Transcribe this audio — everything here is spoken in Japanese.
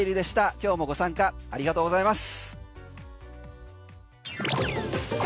今日もご参加ありがとうございます。